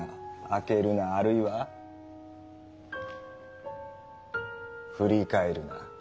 「開けるな」あるいは「振り返るな」。